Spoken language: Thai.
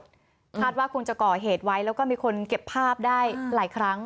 คาดว่าคงจะก่อเหตุไว้แล้วก็มีคนเก็บภาพได้หลายครั้ง